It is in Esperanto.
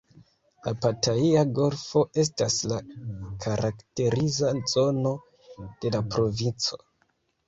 La Pataia Golfo estas la karakteriza zono de la provinco.